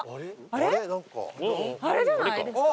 あれ？